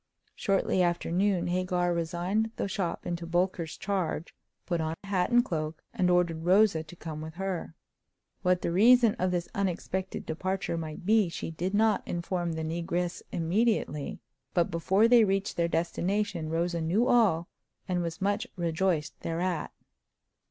Shortly after noon Hagar resigned the shop into Bolker's charge, put on hat and cloak, and ordered Rosa to come with her. What the reason of this unexpected departure might be she did not inform the negress immediately; but before they reached their destination Rosa knew all, and was much rejoiced thereat.